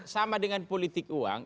sama dengan politik uang